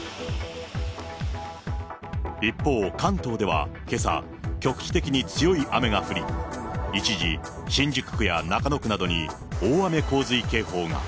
一方、関東ではけさ、局地的に強い雨が降り、一時、新宿区や中野区などに大雨洪水警報が。